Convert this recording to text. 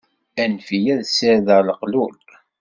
Anef-iyi ad sirdeɣ leqlul.